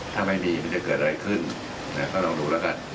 ถ้ามีแล้วมันจะเกิดอะไรขึ้นนะก็ลองดูละกัน